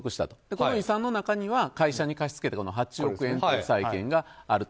この遺産の中には会社に貸し付けた８億円という債権があると。